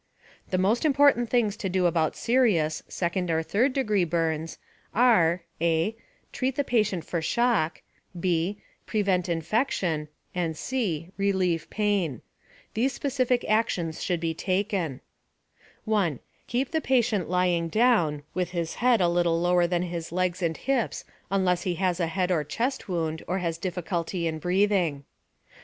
The most important things to do about serious (second or third degree) burns are: (a) Treat the patient for shock, (b) Prevent infection, and (c) Relieve pain. These specific actions should be taken: 1. Keep the patient lying down, with his head a little lower than his legs and hips unless he has a head or chest wound, or has difficulty in breathing.